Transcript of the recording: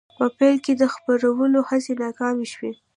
په پیل کې د خپرولو هڅې ناکامې شوې.